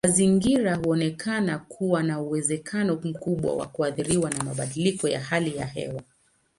Mazingira huonekana kuwa na uwezekano mkubwa wa kuathiriwa na mabadiliko ya hali ya hewa.